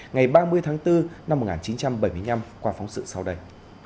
ngày ba mươi tháng bốn năm một nghìn chín trăm bảy mươi năm qua phóng sự sau đây